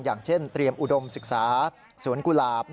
อย่างเช่นเตรียมอุดมศึกษาสวนกุหลาบ